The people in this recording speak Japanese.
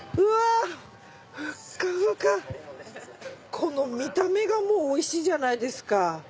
この見た目がもうおいしいじゃないですか。